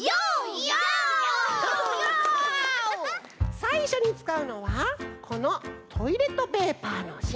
さいしょにつかうのはこのトイレットペーパーのしん。